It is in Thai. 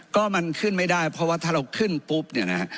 ก็มันขึ้นไม่ได้เพราะว่าถ้าเราขึ้นปุ๊บเนี่ยนะฮะ